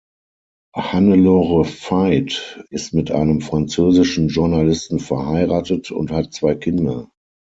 Hannelore Veit ist mit einem französischen Journalisten verheiratet und hat zwei Kinder.